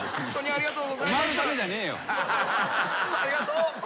ありがとう。